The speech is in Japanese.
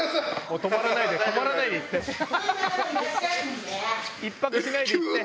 止まらないで止まらないで行って。